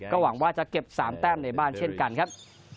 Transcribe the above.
หวังว่าจะเก็บ๓แต้มในบ้านเช่นกันครับ